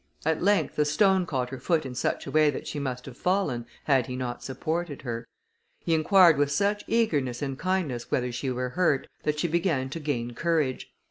At length a stone caught her foot in such a way that she must have fallen, had he not supported her: he inquired with such eagerness and kindness whether she were hurt, that she began to gain courage.